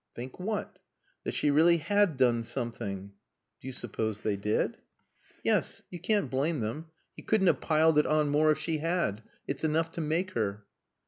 "Think what?" "That she really had done something." "Do you suppose they did?" "Yes. You can't blame them. He couldn't have piled it on more if she had. It's enough to make her."